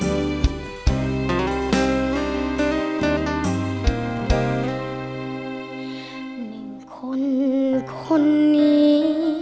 หนึ่งคนคนนี้